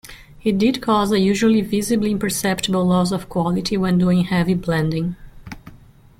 It did cause a usually visibly imperceptible loss of quality when doing heavy blending.